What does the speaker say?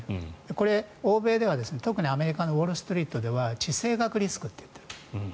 これ、欧米では特にアメリカのウォール・ストリートでは地政学リスクって言っている。